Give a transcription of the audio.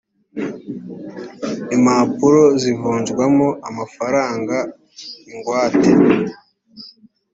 impapuro zivunjwamo amafaranga ingwate